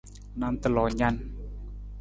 Nanta loo nan.